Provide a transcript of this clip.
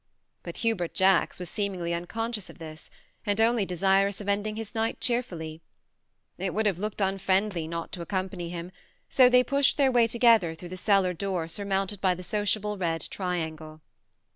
But Hubert Jacks was seemingly unconscious of this, and only desirous of ending his night cheer fully. ! It would have looked unfriendly not to accompany him, so they pushed their way together through the cellar door surmounted by the sociable red triangle.